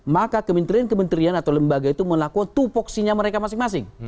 maka kementerian kementerian atau lembaga itu melakukan tupoksinya mereka masing masing